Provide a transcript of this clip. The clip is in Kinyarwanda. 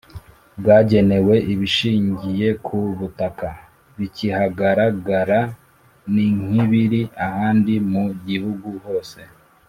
bwagenewe Ibishingiye ku butaka bikihagaragara ni nk ibiri ahandi mu gihugu hose